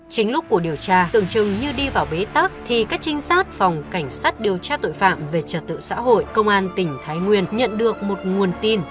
chính lúc của điều tra tưởng chừng như đi vào bế tắc thì các trinh sát phòng cảnh sát điều tra tội phạm về trật tự xã hội công an tỉnh thái nguyên nhận được một nguồn tin